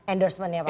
endorsement ya pak